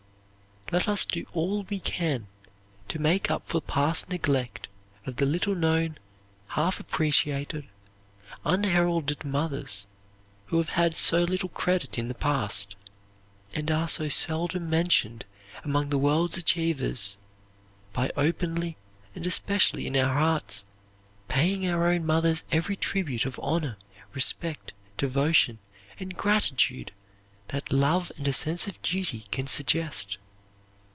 Let us do all we can to make up for past neglect of the little known, half appreciated, unheralded mothers who have had so little credit in the past, and are so seldom mentioned among the world's achievers, by openly, and especially in our hearts, paying our own mothers every tribute of honor, respect, devotion, and gratitude that love and a sense of duty can suggest.